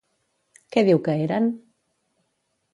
Què diu que eren?